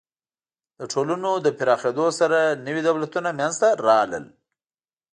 د ټولنو له پراخېدو سره نوي دولتونه منځ ته راغلل.